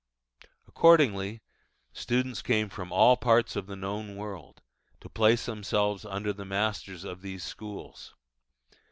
Accordingly, students came from all parts of the known world, to place themselves under the masters of these schools.